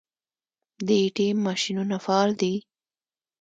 د ای ټي ایم ماشینونه فعال دي؟